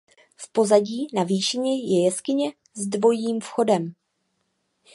V pozadí na výšině je jeskyně s dvojím vchodem.